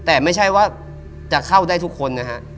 แต่ไม่ใช่ว่าจะเข้าได้ทุกคนนะฮะ